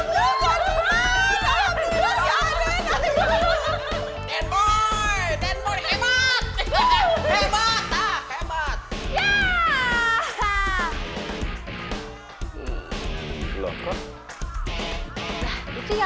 kayaknya harus cek nontonnya